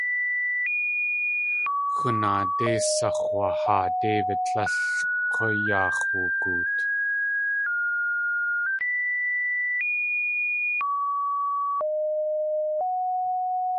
Xunaadé sax̲waahaa David tlél k̲ú yaax̲ wugoot.